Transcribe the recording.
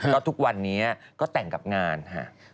ก็ทุกวันนี้ก็แต่งกับงานค่ะ